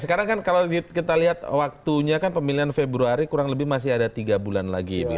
sekarang kan kalau kita lihat waktunya kan pemilihan februari kurang lebih masih ada tiga bulan lagi